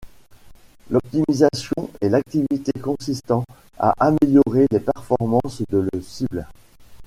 L'optimisation est l'activité consistant à améliorer les performances de le cible.